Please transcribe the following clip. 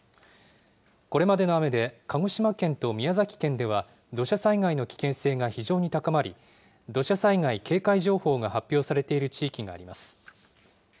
これまでの雨で鹿児島県と宮崎県では土砂災害の危険性が非常に高まり、土砂災害警戒情報が発表されている地域があります。